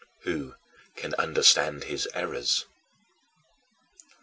"Who can understand his errors?"